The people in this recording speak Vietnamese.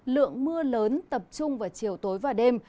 lượng mưa lớn tập trung vào chiều tối và đêm